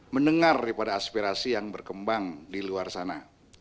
mendengar daripada aspirasi yang berkembang di luar sana